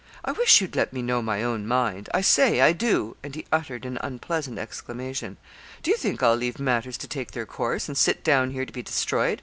'I wish you'd let me know my own mind. I say I do (and he uttered an unpleasant exclamation). Do you think I'll leave matters to take their course, and sit down here to be destroyed?